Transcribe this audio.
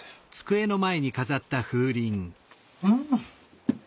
うん！